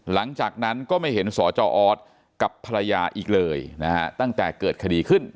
หลังจากนั้นก็ไม่เห็นสจออสกับภรรยาอีกเลยนะฮะตั้งแต่เกิดคดีขึ้น